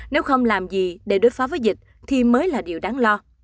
nếu không làm gì để đối phó với dịch thì mới là điều đáng lo